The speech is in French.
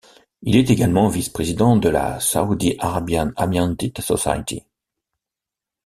Il est également vice-président de la Saudi Arabian Amiantit Society.